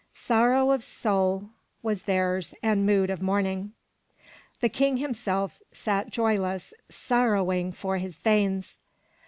Sorrow of soul Vv^as theirs and mood of mourning. The King himself sat joyless, sorrowing for his thanes.